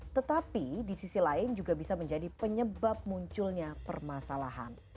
tetapi di sisi lain juga bisa menjadi penyebab munculnya permasalahan